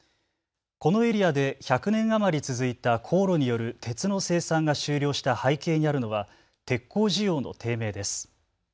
このエリアで１００年余り続いた高炉による鉄の生産が終了した背景にあるのは鉄鋼需要の低迷です。